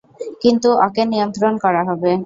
কিন্তু ওকে নিয়ন্ত্রণ করা হবে।